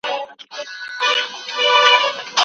تاسي ولي په دغه غونډې کي پټ ناست سواست؟